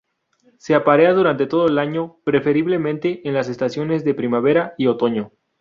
Se aparea durante todo el año, preferiblemente en las estaciones de primavera y otoño.